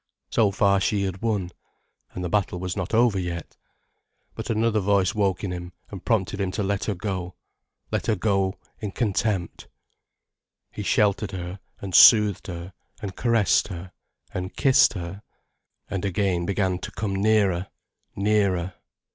So far she had won. And the battle was not over yet. But another voice woke in him and prompted him to let her go—let her go in contempt. He sheltered her, and soothed her, and caressed her, and kissed her, and again began to come nearer, nearer.